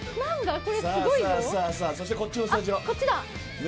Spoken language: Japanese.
そして、こっちのスタジオ。